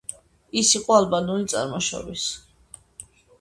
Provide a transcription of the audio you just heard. ის იყო ალბანური წარმოშობის.